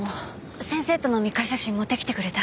先生との密会写真持ってきてくれた？